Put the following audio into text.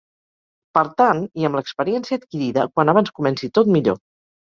Per tant, i amb l’experiència adquirida, quan abans comenci tot, millor.